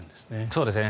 そうですね。